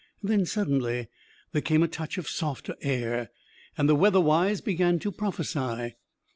Then, suddenly, there came a touch of softer air and the weather wise began to prophesy.